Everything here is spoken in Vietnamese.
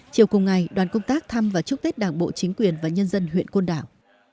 chiều cùng ngày đoàn công tác thăm và chúc tết đảng bộ chính quyền và nhân dân huyện côn đảo